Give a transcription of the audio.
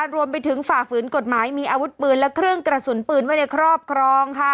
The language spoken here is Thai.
ฝ่าฝืนกฎหมายมีอาวุธปืนและเครื่องกระสุนปืนไว้ในครอบครองค่ะ